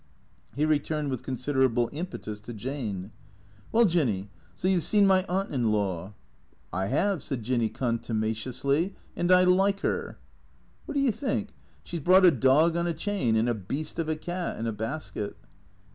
He returned with considerable impetus to Jane, " Well, Jinny, so you 've seen my aunt in law ?"" I have," said Jinny contumaciously, " and I like her," " What do you think ? She 's brought a dog on a chain and a beast of a cat in a basket."